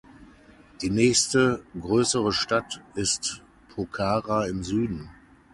Die nächste größere Stadt ist Pokhara im Süden.